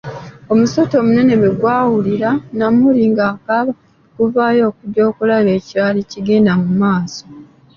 Omusota omunene bwe gw'awulira Namuli ng'akaaba ne guvayo okujja okulaba ekyali kigenda mu maaso.